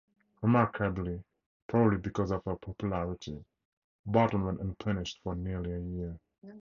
Remarkably, probably because of her popularity, Barton went unpunished for nearly a year.